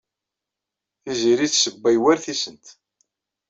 Tiziri tessewway war tisent.